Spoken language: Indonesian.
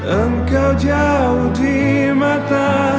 engkau jauh di mata